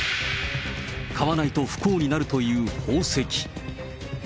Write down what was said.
買わないと不幸になるという宝石。